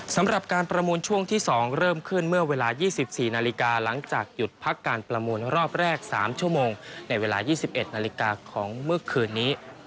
สำหรับการประมูลช่วงที่๒เริ่มขึ้นเมื่อเวลา๒๔นาฬิกาหลังจากหยุดพักการประมูลรอบแรก๓ชั่วโมงในเวลา๒๑นาฬิกาของเมื่อคืนนี้